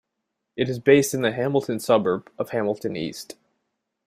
It is based in the Hamilton suburb of Hamilton East.